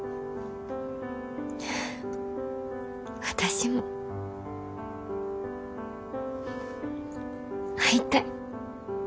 私も会いたい。